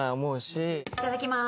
いただきます。